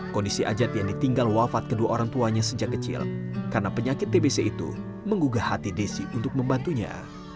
kondisi ajat yang ditinggal wafat kedua orang tuanya sejak kecil karena penyakit tbc itu menggugah hati desi untuk membantunya